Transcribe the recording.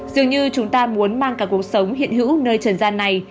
dường như chúng ta muốn mang cả cuộc sống hiện hữu nơi trần gian này